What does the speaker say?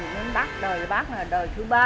nhưng bác đời bác là đời thứ ba